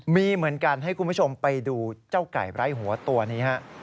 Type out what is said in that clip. มีเหมือนกันให้คุณผู้ชมไปดูเจ้าไก่ไร้หัวตัวนี้ฮะ